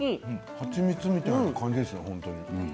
蜂蜜みたいな感じですね。